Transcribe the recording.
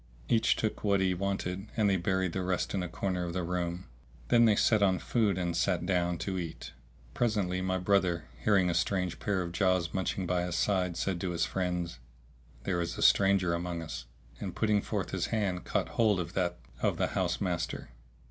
Each took what he wanted and they buried the rest in a corner of the room. Then they set on food and sat down, to eat. Presently my brother, hearing a strange pair of jaws munching by his side,[FN#651] said to his friends, "There is a stranger amongst us;" and, putting forth his hand, caught hold of that of the house master.